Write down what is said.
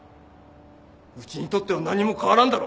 うちにとっては何も変わらんだろ。